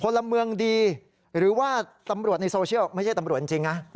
พลเมืองดีหรือว่าตำรวจในโซเชียลไม่ใช่ตำรวจจริงนะ